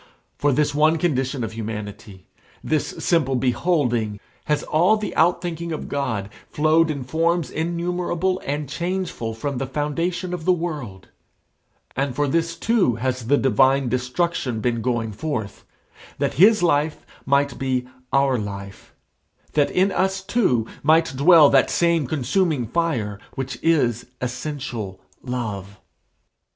For this one condition of humanity, this simple beholding, has all the outthinking of God flowed in forms innumerable and changeful from the foundation of the world; and for this, too, has the divine destruction been going forth; that his life might be our life, that in us, too, might dwell that same consuming fire which is essential love.